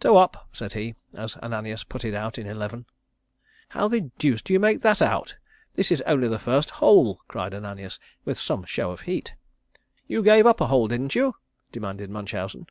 "Two up," said he, as Ananias putted out in eleven. "How the deuce do you make that out? This is only the first hole," cried Ananias with some show of heat. "You gave up a hole, didn't you?" demanded Munchausen.